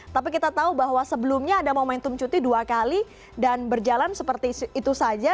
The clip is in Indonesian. tapi kita tahu bahwa sebelumnya ada momentum cuti dua kali dan berjalan seperti itu saja